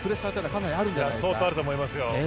相当あると思いますよ。